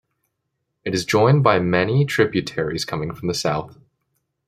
It is joined by many tributaries coming from the south.